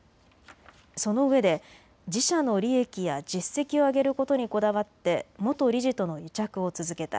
そのうえで自社の利益や実績を上げることにこだわって元理事との癒着を続けた。